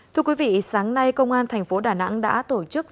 thưa quý vị sáng nay công an tp hcm đã tổ chức